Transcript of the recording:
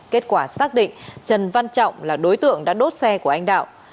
kết quả xác định trần văn trọng là đối tượng đã đốt xe của anh đạo